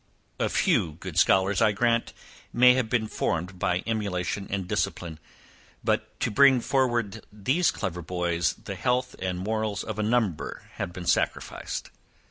A few good scholars, I grant, may have been formed by emulation and discipline; but, to bring forward these clever boys, the health and morals of a number have been sacrificed.